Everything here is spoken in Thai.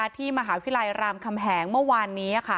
ที่มหาวิทยาลัยรามคำแหงเมื่อวานนี้